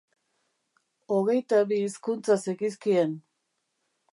Hogeita bi hizkuntza zekizkien.